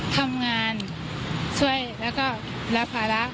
ทำงานช่วยแล้วก็รับภาระ